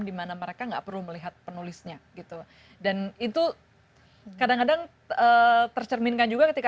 dimana mereka nggak perlu melihat penulisnya gitu dan itu kadang kadang tercerminkan juga ketika